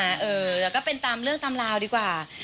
แล้วก็เป็นตามเรื่องตามราวดีกว่า